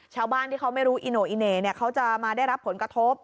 ชาวบ้านที่เขาไม่รู้อิโน่อีเหน่เขาจะมาได้รับผลกระทบ